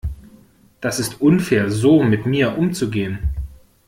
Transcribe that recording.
Das ist unfair so mit mir umzugehen.